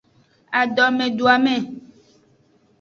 Adomeduame.